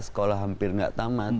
sekolah hampir nggak tamat